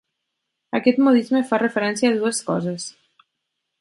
Aquest modisme fa referència a dues coses.